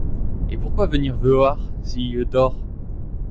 Et pourquoi venir veoir si ie dors !